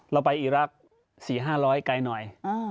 เราไปอีรักษ์๔๕๐๐ไกลหน่อย